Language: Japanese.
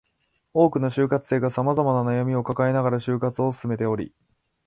多くの就活生が様々な悩みを抱えながら就活を進めており